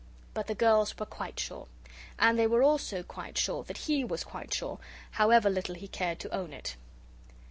But the girls were quite sure. And they were also quite sure that he was quite sure, however little he cared to own it.